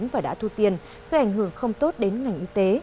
và đã thu tiền gây ảnh hưởng không tốt đến ngành y tế